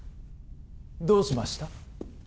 どうしました？